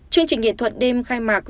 chương trình nghệ thuật đêm khai mạc